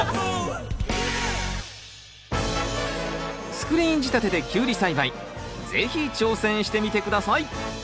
スクリーン仕立てでキュウリ栽培是非挑戦してみて下さい！